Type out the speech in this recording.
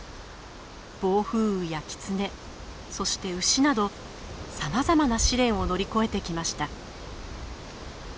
暴風雨やキツネそして牛などさまざまな試練を乗り越えてきました。